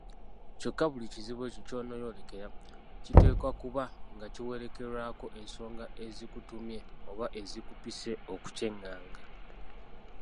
Kyokka buli kizibu ekyo ky’onooyolekera kiteekwa okuba nga kiwerekerwako ensonga ezikutumye oba ezikupise okukyanganga.